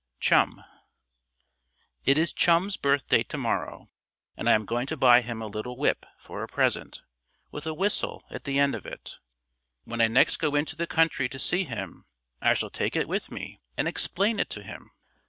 XXIX. CHUM It is Chum's birthday to morrow and I am going to buy him a little whip for a present, with a whistle at the end of it. When I next go into the country to see him I shall take it with me and explain it to him.